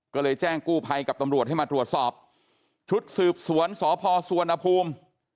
ก็เลยแจ้งกู้ภัยกับตำรวจให้มาตรวจสอบชุดสืบสวนสพสุวรรณภูมิ